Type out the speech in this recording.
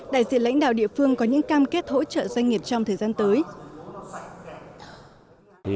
đại diện lãnh đạo địa phương có những cam kết hỗ trợ doanh nghiệp trong thời gian tới